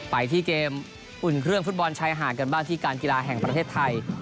ไปที่เกมอุ่นเครื่องฟุตบอลชายหาดกันบ้างที่การกีฬาแห่งประเทศไทย